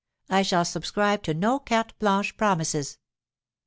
I shall subscribe to no carte blanche promises.